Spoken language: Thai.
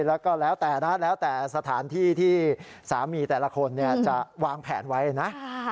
แล้วก็แล้วแต่นะแล้วแต่สถานที่ที่สามีแต่ละคนจะวางแผนไว้นะ